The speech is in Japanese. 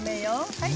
はい。